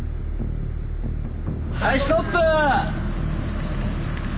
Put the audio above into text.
はいストップ！